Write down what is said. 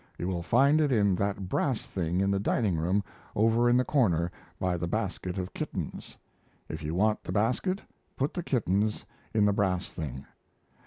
You will find it in that brass thing in the dining room over in the corner by the basket of kittens. If you want the basket, put the kittens in the brass thing.